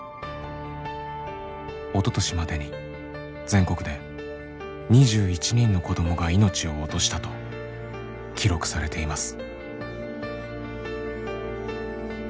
おととしまでに全国で２１人の子どもがいのちを落としたと記録されています。